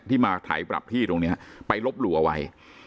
ที่มาถ่ายปรับพี่ตรงเนี้ยไปลบหลู่เอาไว้